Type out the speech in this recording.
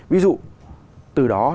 ví dụ từ đó